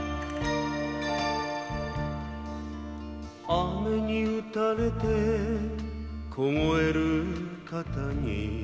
「雨にうたれて凍える肩に」